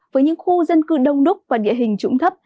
với những khu dân cư đông đúc và địa hình trũng thấp